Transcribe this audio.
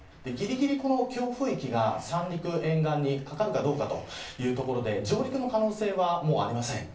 ぎりぎり、強風域が三陸沿岸に掛かるかどうかというところで上陸の可能性はもうありません。